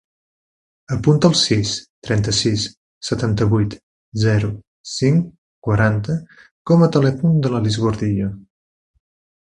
Apunta el sis, trenta-sis, setanta-vuit, zero, cinc, quaranta com a telèfon de la Lis Gordillo.